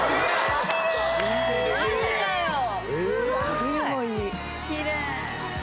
冬もいい。